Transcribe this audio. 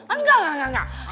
enggak enggak enggak